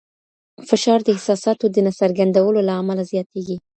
فشار د احساساتو د نه څرګندولو له امله زیاتېږي.